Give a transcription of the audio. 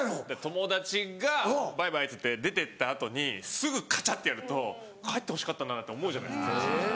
友達が「バイバイ」っつって出てった後にすぐカチャってやると帰ってほしかったんだなって思うじゃないですか。